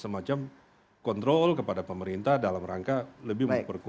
semacam kontrol kepada pemerintah dalam rangka lebih memperkuat